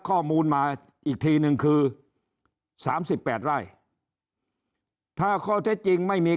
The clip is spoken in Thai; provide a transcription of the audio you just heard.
ข้อมูลมาอีกทีนึงคือ๓๘ไร่ถ้าข้อเท็จจริงไม่มี